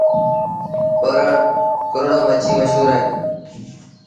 ڪورڙو مڇيٚ مشهور اهي۔